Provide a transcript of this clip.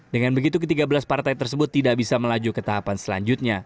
dengan begitu ke tiga belas partai tersebut tidak bisa melaju ke tahapan selanjutnya